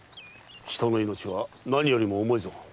人の命は何よりも重いぞ。